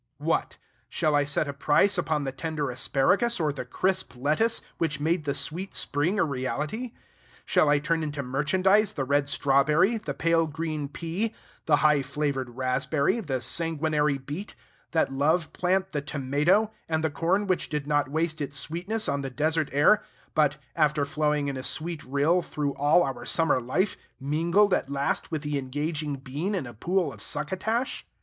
What! shall I set a price upon the tender asparagus or the crisp lettuce, which made the sweet spring a reality? Shall I turn into merchandise the red strawberry, the pale green pea, the high flavored raspberry, the sanguinary beet, that love plant the tomato, and the corn which did not waste its sweetness on the desert air, but, after flowing in a sweet rill through all our summer life, mingled at last with the engaging bean in a pool of succotash?